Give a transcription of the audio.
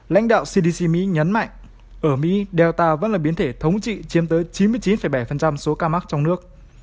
lãnh đạo cdc mỹ nhấn mạnh ở mỹ delta vẫn là biến thể thống trị chiếm tới chín mươi chín bảy số ca mắc trong nước